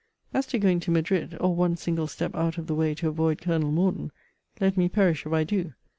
As to going to Madrid, or one single step out of the way to avoid Colonel Morden, let me perish if I do!